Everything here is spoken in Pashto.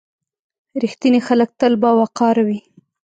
• رښتیني خلک تل باوقاره وي.